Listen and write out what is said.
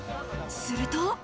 すると。